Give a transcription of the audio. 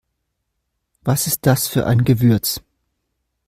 Was ist das für ein Gewürz?